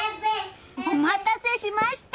お待たせしました！